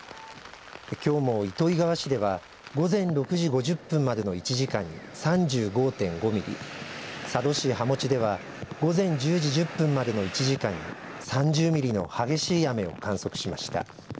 きょうも糸魚川市では午前６時５０分までの１時間に３５．５ミリ佐渡市羽茂では午前１０時１０分までの１時間に３０ミリの激しい雨を観測しました。